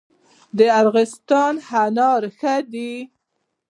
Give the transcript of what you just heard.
د ارغستان انار ښه دي